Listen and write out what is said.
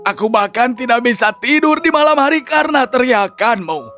aku bahkan tidak bisa tidur di malam hari karena teriakanmu